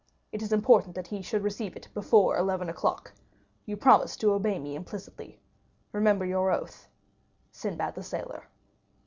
It is important that he should receive it before eleven o'clock. You promised to obey me implicitly. Remember your oath. "Sinbad the Sailor."